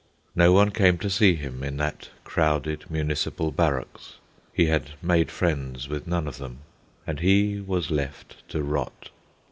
No one came to see him in that crowded municipal barracks (he had made friends with none of them), and he was left to rot.